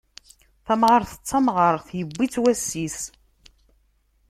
Tamɣart d tamɣart, yewwi-tt wass-is.